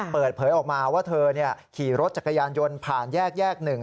เปิดเผยออกมาว่าเธอขี่รถจักรยานยนต์ผ่านแยก๑